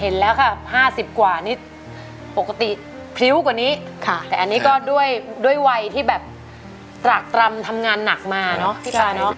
เห็นแล้วค่ะ๕๐กว่านี่ปกติพริ้วกว่านี้ค่ะแต่อันนี้ก็ด้วยวัยที่แบบตรากตรำทำงานหนักมาเนอะพี่ปลาเนอะ